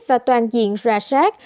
và toàn diện ra sát